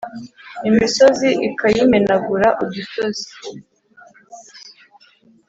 imisozi ukayimenagura n udusozi